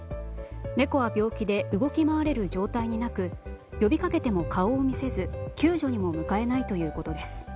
猫は病気で動き回れる状態になく呼びかけても顔を見せず救助にも迎えないということです。